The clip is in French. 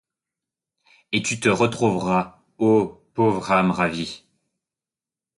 Et tu retrouveras, ô, pauvre âme ravie !